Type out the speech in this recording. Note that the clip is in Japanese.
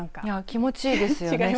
気持ち良いですよね。